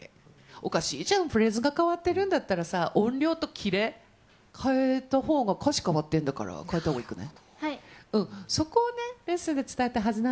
おかしいじゃん、フレーズが変わってるんだったら、音量とキレ、変えたほうが歌詞変わってんだから変えたほうがいくない？